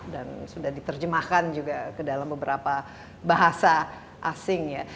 dan sudah diterjemahkan juga ke dalam beberapa bahasa asing ya